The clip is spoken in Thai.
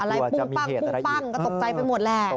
อะไรปุ้งปั้งปุ้งปั้งก็ตกใจไปหมดแหละ